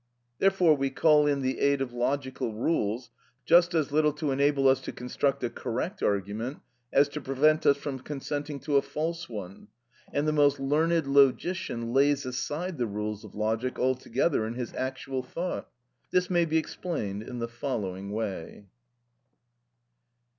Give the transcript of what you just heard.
Therefore we call in the aid of logical rules, just as little to enable us to construct a correct argument as to prevent us from consenting to a false one, and the most learned logician lays aside the rules of logic altogether in his actual thought. This may be explained in the following way.